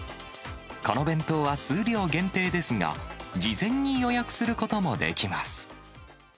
この弁当は数量限定ですが、事前に予約することもできます。